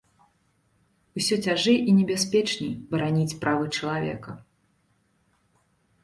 Усё цяжэй і небяспечней бараніць правы чалавека.